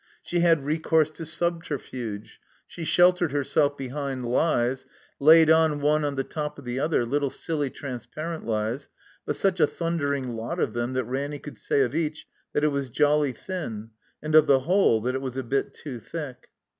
She had recourse to subterfuge; she sheltered herself behind lies, laid on one on the top of the other, little silly transparent lies, but such a thundering lot of them that Raimy could say of each that it was jolly thin and of the whole that it was a bit too thick.